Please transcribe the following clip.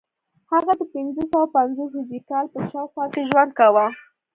هغه د پنځه سوه پنځوس هجري کال په شاوخوا کې ژوند کاوه